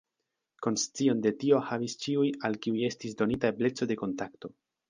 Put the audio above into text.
Konscion de tio havis ĉiuj, al kiuj estis donita ebleco de kontakto.